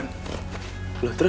masuk kuliah dulu